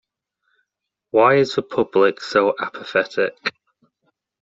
Why is the public so apathetic?